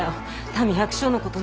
民百姓のこと